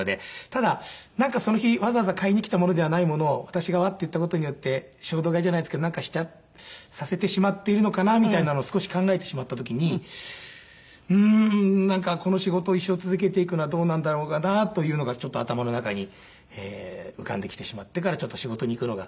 ただなんかその日わざわざ買いに来たものではないものを私がワッて言った事によって衝動買いじゃないですけどさせてしまっているのかなみたいなのを少し考えてしまった時にうーんなんかこの仕事を一生続けていくのはどうなんだろうかな？というのがちょっと頭の中に浮かんできてしまってからちょっと仕事に行くのが。